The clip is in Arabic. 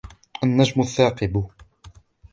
النجم الثاقب